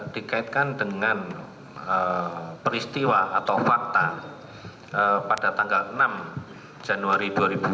dikaitkan dengan peristiwa atau fakta pada tanggal enam januari dua ribu dua puluh